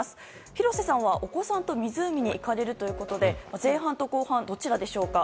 廣瀬さん、お子さんと湖に行かれるということで前半と後半どちらでしょうか。